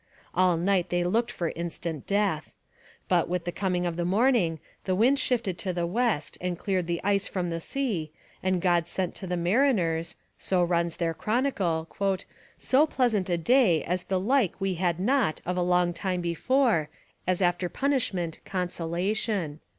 All night they looked for instant death. But, with the coming of the morning, the wind shifted to the west and cleared the ice from the sea, and God sent to the mariners, so runs their chronicle, 'so pleasant a day as the like we had not of a long time before, as after punishment consolation.'